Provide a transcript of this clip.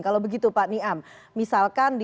kalau begitu pak niam misalkan di wilayah yang memang stok